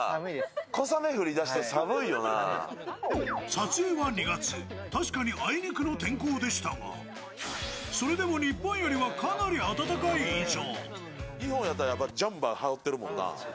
撮影は２月、確かにあいにくの天候でしたが、それでも日本よりはかなり暖かい印象。